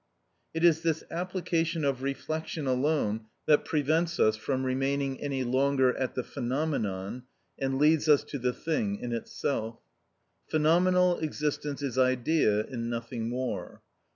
It is this application of reflection alone that prevents us from remaining any longer at the phenomenon, and leads us to the thing in itself. Phenomenal existence is idea and nothing more.